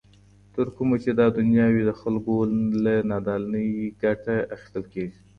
تر کومه چي دا دنیا وي د خلګو له نادانۍ ګټه اخیستل کیږي.